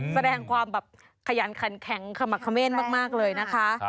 แสดงความแบบขยันขันแข็งขมักเม่นมากเลยนะคะ